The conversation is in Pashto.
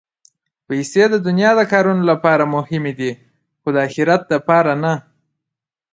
پېسې د دنیا د کارونو لپاره مهمې دي، خو د اخرت لپاره نه.